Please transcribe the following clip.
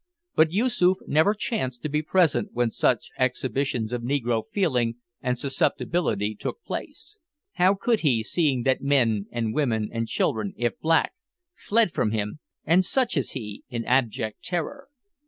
But Yoosoof never chanced to be present when such exhibitions of negro feeling and susceptibility took place. How could he, seeing that men and women and children if black fled from him, and such as he, in abject terror?